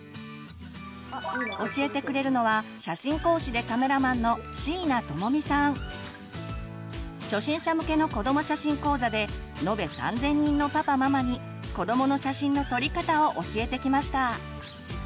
教えてくれるのは初心者向けの子ども写真講座で延べ３，０００人のパパママに子どもの写真の撮り方を教えてきました。